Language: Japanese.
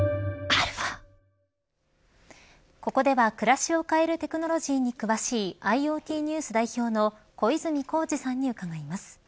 ここでは暮らしを変えるテクノロジーに詳しいＩｏＴＮＥＷＳ代表の小泉耕二さんに伺います。